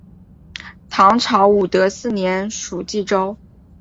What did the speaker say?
唐朝武德四年属济州。